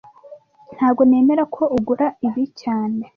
Ntago nemera ko ugura ibi cyane